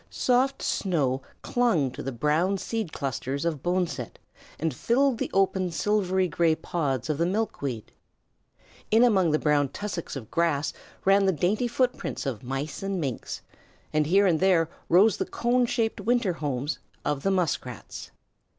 Soft snow clung to the brown seed clusters of boneset and filled the open silvery gray pods of the milkweed. In among the brown tussocks of grass ran the dainty footprints of Mice and Minks, and here and there rose the cone shaped winter homes of the Muskrats.